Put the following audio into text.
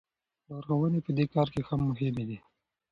لارښوونې په دې کار کې مهمې دي.